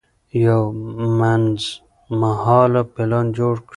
یو منځمهاله پلان جوړ شي.